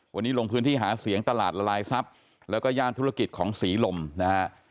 วันนี้ลงพื้นที่หาเสียงตลาดละลายทรัพย์แล้วก็ย่านธุรกิจของศรีลมนะฮะ